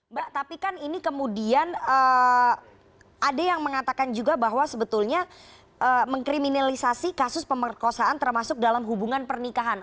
mbak tapi kan ini kemudian ada yang mengatakan juga bahwa sebetulnya mengkriminalisasi kasus pemerkosaan termasuk dalam hubungan pernikahan